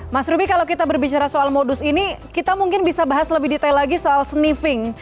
mas ruby kalau kita berbicara soal modus ini kita mungkin bisa bahas lebih detail lagi soal sniffing